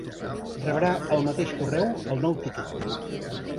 Rebrà al mateix correu el nou tíquet.